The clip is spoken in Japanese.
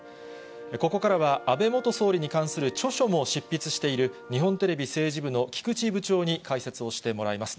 ここからは、安倍元総理に関する著書も執筆している日本テレビ政治部の菊池部長に解説をしてもらいます。